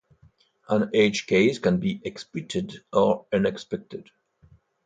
An edge case can be expected or unexpected.